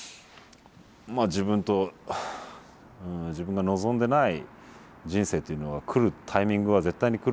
まあ自分が望んでない人生というのが来るタイミングは絶対に来るので。